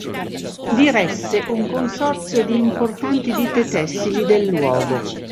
Diresse un consorzio di importanti ditte tessili del luogo.